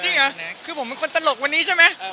จริงเหรอคือผมเป็นคนตลกวันนี้ใช่ไหม